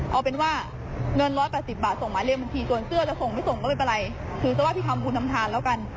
เอาเป็นว่าเงิน๑๘๐บาทส่งมาเรียนบางทีส่วนเสื้อจะส่งไม่ส่งก็ไม่เป็นไร